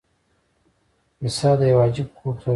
کیسه د یو عجیب خوب سره پیلیږي.